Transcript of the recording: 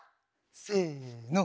せの。